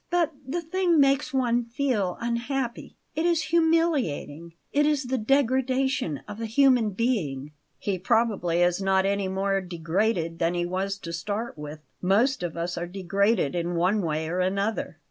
But the thing makes one feel unhappy. It is humiliating; it is the degradation of a human being." "He probably is not any more degraded than he was to start with. Most of us are degraded in one way or another."